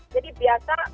jadi biasa terjadi